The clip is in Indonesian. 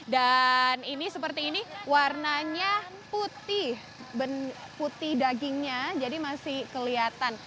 dan ini seperti ini warnanya putih putih dagingnya jadi masih kelihatan